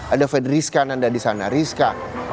ada fedriskan yang ada di sana rizka